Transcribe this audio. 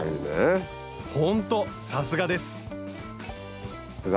ほんとさすがです先生